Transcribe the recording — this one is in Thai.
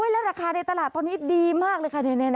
แล้วราคาในตลาดตอนนี้ดีมากเลยค่ะ